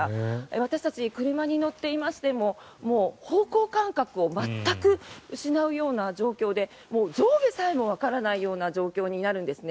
私たち、車に乗っていましても方向感覚を全く失うような状況で上下さえもわからないような状況になるんですね。